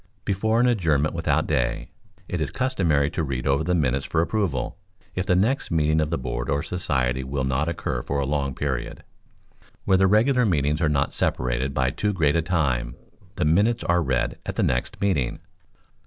Before an adjournment without day, it is customary to read over the minutes for approval, if the next meeting of the board or society will not occur for a long period. Where the regular meetings are not separated by too great a time, the minutes are read at the next meeting.